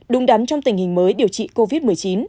đúng đắn trong tình hình mới điều trị covid một mươi chín